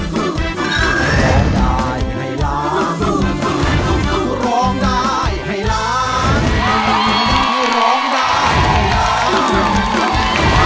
แท้ได้ให้ล้ามร้องได้ให้ล้าม